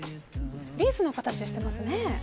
リースの形をしてますね。